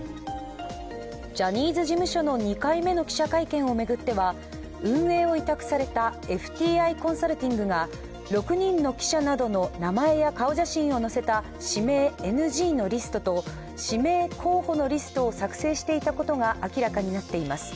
ジャニーズ事務所の２回目の記者会見を巡っては、運営を委託されたＦＴＩコンサルティングが６人の記者などの名前や顔写真を載せた指名ＮＧのリストと指名候補のリストを作成していたことが明らかになっています。